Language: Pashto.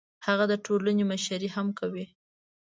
هغه د ټولنې مشري هم کوي.